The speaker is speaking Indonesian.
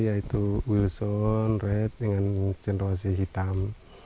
yaitu wilson red dengan cenerasi hitam